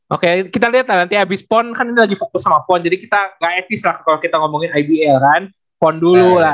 oke kita lihat lah nanti habis pon kan ini lagi fokus sama pon jadi kita gak etis lah kalau kita ngomongin ibl kan pon dulu lah